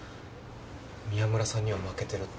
宮村さんには負けてるって。